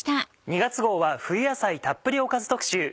２月号は冬野菜たっぷりおかず特集。